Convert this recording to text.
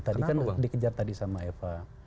tadi kan dikejar tadi sama eva